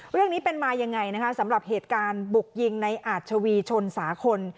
เรื่องนี้เป็นมายังไงนะคะสำหรับเหตุการณ์บุกยิงในอาชวีชนสาคล